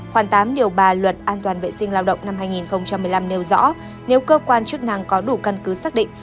khoảng tám điều ba luật an toàn vệ sinh lao động năm hai nghìn một mươi năm nêu rõ nếu cơ quan chức năng có đủ căn cứ xác định